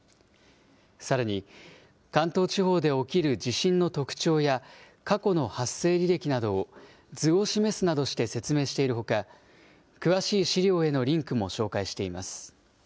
さらに、関東地方で起きる地震の特徴や過去の発生履歴などを図を示すなどして説明しているほか、詳しい資料へのリンクも紹介しています。